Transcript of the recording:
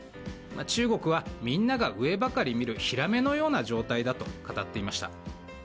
中国はみんなが上ばかり見るヒラメのような状態だと語っていました。